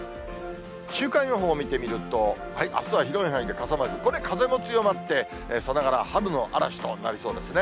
週間予報を見てみると、あすは広い範囲で傘マーク、これ、風も強まって、さながら春の嵐となりそうですね。